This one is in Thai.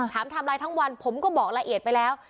ไทม์ไลน์ทั้งวันผมก็บอกละเอียดไปแล้ว